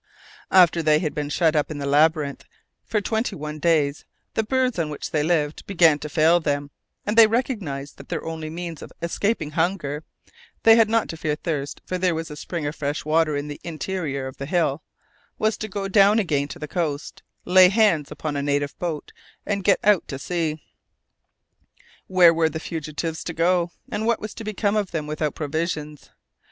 After they had been shut up in the labyrinth for twenty one days, the birds on which they lived began to fail them, and they recognized that their only means of escaping hunger (they had not to fear thirst, for there was a spring of fresh water in the interior of the hill) was to go down again to the coast, lay hands upon a native boat, and get out to sea. Where were the fugitives to go, and what was to become of them without provisions?